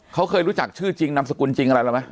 เขาเคยรู้จักชื่อจริงนามสกุลจริงอะไรเราไหม